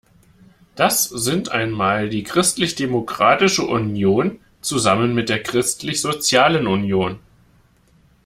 Das sind einmal die Christlich Demokratische Union zusammen mit der Christlich sozialen Union.